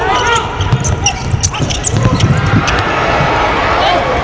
สวัสดีครับทุกคน